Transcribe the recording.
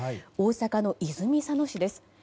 大阪の泉佐野市です。